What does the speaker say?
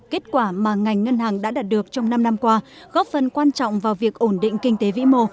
kết quả mà ngành ngân hàng đã đạt được trong năm năm qua góp phần quan trọng vào việc ổn định kinh tế vĩ mô